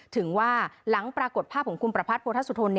ถึงว่าหลังปรากฏภาพของคุณประพัทธสุธน